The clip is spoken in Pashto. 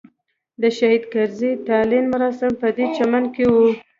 د شهید کرزي تلین مراسم په دې چمن کې وو.